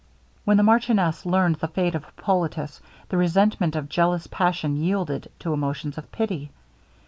When the marchioness learned the fate of Hippolitus, the resentment of jealous passion yielded to emotions of pity.